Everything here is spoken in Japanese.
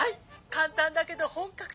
簡単だけど本格的。